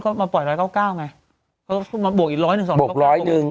ก็มาปล่อยร้อยเก้าเก้าไงเขาก็มาบวกอีกร้อยหนึ่งสองบวกร้อยหนึ่ง